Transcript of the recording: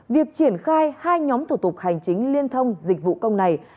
việc triển khai hai nhóm thủ tục hành chính liên thông dịch vụ công này